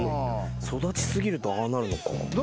育ち過ぎるとああなるのか？